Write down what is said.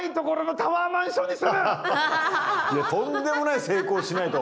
いやとんでもない成功しないと！